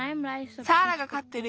サーラがかってる